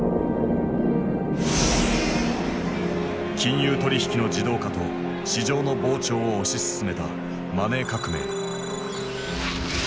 金融取引の自動化と市場の膨張を推し進めたマネー革命。